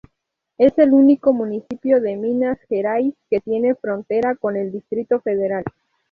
Es el único municipio de Minas Gerais que tiene frontera con el Distrito Federal.